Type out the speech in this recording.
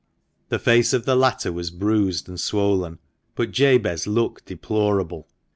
The face of the latter was bruised and swollen, but Jabez looked deplorable.